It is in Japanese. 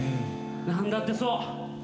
何だってそう。